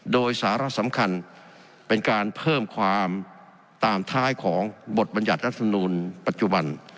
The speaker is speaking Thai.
โดยสาระสำคัญเป็นการเพิ่มความตามท้ายของบทบรรยัติรัฐมนูลปัจจุบัน